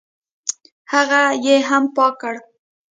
هغه یې هم پاکه کړه.